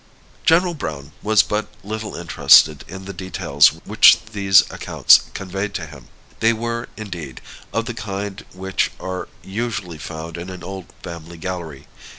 General Browne was but little interested in the details which these accounts conveyed to him. They were, indeed, of the kind which are usually found in an old family gallery.